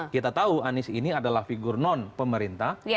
kita tahu anies ini adalah figur non pemerintah